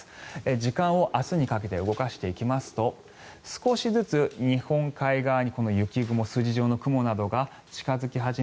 時間を明日にかけて動かしていきますと少しずつ日本海側に雪雲、筋状の雲などが近付き始め